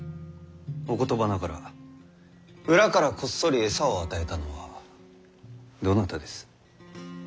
お言葉ながら裏からこっそり餌を与えたのはどなたです？